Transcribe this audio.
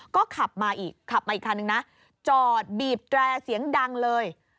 ก็ขับมาอีกทางหนึ่งนะจอดบีบแดร์เสียงดังเลย